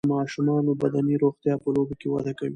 د ماشومانو بدني روغتیا په لوبو کې وده کوي.